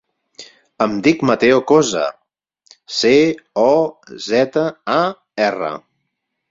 Em dic Matteo Cozar: ce, o, zeta, a, erra.